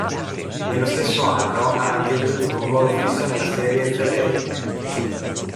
Nello stesso anno ha anche ottenuto un ruolo fisso nella serie "The Lake".